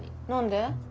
何で？